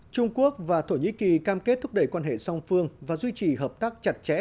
trung quốc và thổ nhĩ kỳ cam kết thúc đẩy quan hệ song phương và duy trì hợp tác chặt chẽ